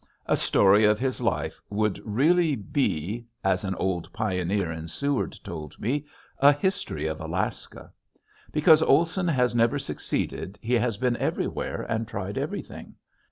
A story of his life would really be as an old pioneer in Seward told me a history of Alaska. Because Olson has never succeeded he has been everywhere and tried everything.